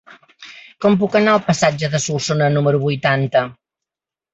Com puc anar al passatge de Solsona número vuitanta?